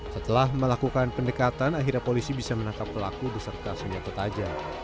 setelah melakukan pendekatan akhirnya polisi bisa menangkap pelaku beserta senjata tajam